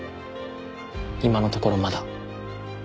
今のところまだ。